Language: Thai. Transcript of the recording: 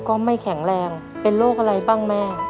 ก็ไม่แข็งแรงเป็นโรคอะไรบ้างแม่